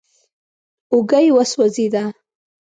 اوږه يې وسوځېده.